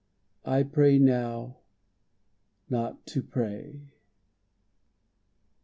I pray now not to pray.